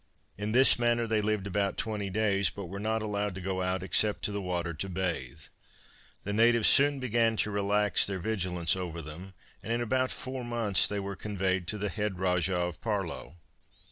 In this manner they lived about twenty days, but were not allowed to go out except to the water to bathe. The natives soon began to relax their vigilance over them, and in about four months, they were conveyed to the head Rajah of Parlow.